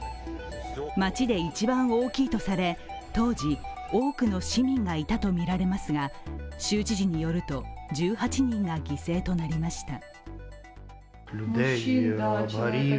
街で一番大きいとされ、当時多くの市民がいたとみられますが州知事によると１８人が犠牲となりました。